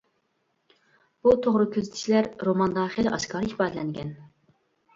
بۇ توغرا كۆزىتىشلەر روماندا خېلى ئاشكارا ئىپادىلەنگەن.